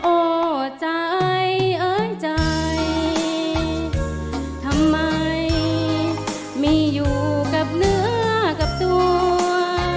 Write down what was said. โอ้ใจเอ้ยใจทำไมมีอยู่กับเนื้อกับตัว